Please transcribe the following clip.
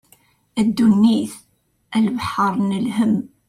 A ddunit a lebḥer n lhem.